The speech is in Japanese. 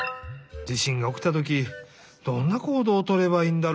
地しんがおきたときどんな行動をとればいいんだろう？